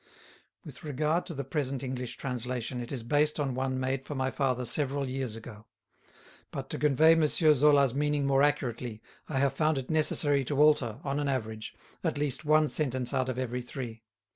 With regard to the present English translation, it is based on one made for my father several years ago. But to convey M. Zola's meaning more accurately I have found it necessary to alter, on an average, at least one sentence out of every three.